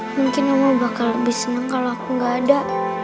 mungkin oma bakal lebih seneng kalau aku gak ada